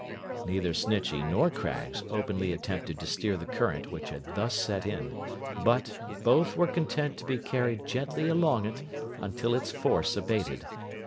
Neither Snitchey nor Craggs openly attempted to stem the current which had thus set in, but, both were content to be carried gently along it, until its force abated.